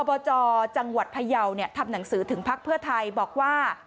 บจจังหวัดพยาวทำหนังสือถึงพักเพื่อไทยบอกว่า